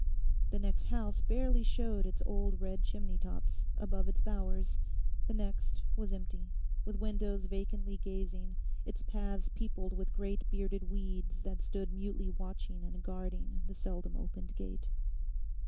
The next house barely showed its old red chimney tops, above its bowers; the next was empty, with windows vacantly gazing, its paths peopled with great bearded weeds that stood mutely watching and guarding the seldom opened gate.